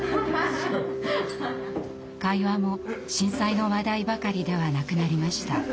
会話も震災の話題ばかりではなくなりました。